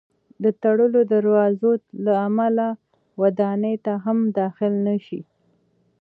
د تړلو دروازو له امله ودانۍ ته هم داخل نه شي.